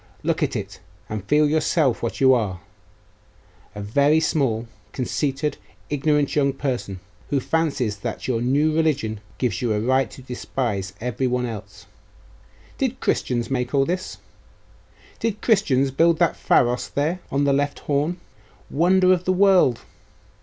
Look at it and feel yourself what you are, a very small, conceited, ignorant young person, who fancies that your new religion gives you a right to despise every one else. Did Christians make all this? Did Christians build that Pharos there on the left horn wonder of the world?